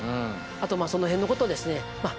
あとその辺のことをですねまあ